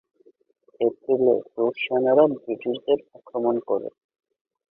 এপ্রিলে রুশ সেনারা ব্রিটিশদের আক্রমণ করে।